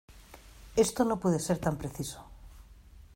esto no puede ser tan preciso.